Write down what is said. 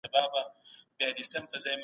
سالم تفریح د ټولنې د پرمختګ لپاره مهم دی.